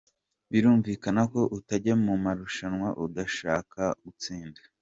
Ati” Birumvikana ko utajya mu marushanwa udashaka gutsinda.